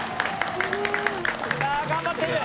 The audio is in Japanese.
・さあ頑張っている。